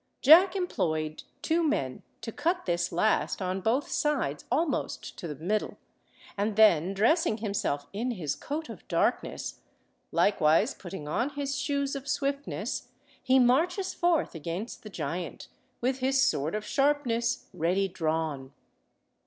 Jack employed two men to cut this last on both sides, almost to the middle, and then, dressing himself in his coat of darkness, likewise putting on his shoes of swiftness, he marches forth against the giant, with his sword of sharpness ready drawn.